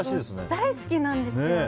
大好きなんですよ。